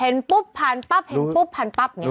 เห็นปุ๊บผ่านปั๊บเห็นปุ๊บผ่านปั๊บยังไงเลย